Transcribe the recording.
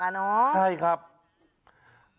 มันเปียกอ่ะเนอะ